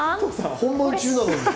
本番中なのに？